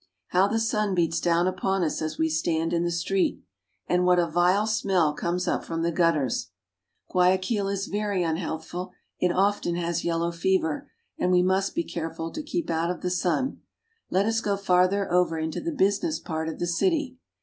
How the sun beats down upon us as we stand in the street, and what a vile smell comes up from the gutters! Guayaquil is very unhealthful ; it often has yellow fever ; and we must be careful to keep out of the sun. Let us go farther over into the business part of the city.